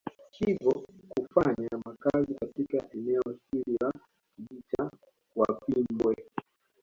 Hivyo kufanya makazi katika eneo hili la kijiji cha Wapimbwe